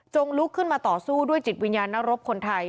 ลุกขึ้นมาต่อสู้ด้วยจิตวิญญาณนรบคนไทย